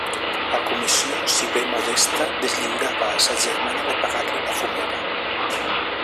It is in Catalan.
La comissió, si bé modesta, deslliurava a sa germana de pagar-li la fumera.